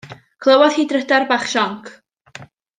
Clywodd hi drydar bach sionc.